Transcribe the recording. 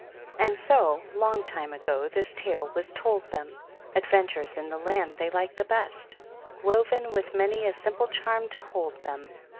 And so, long time ago, this tale was told them, — AdtKntures in the land they liked the best; Woven with many a simple charm to hold them.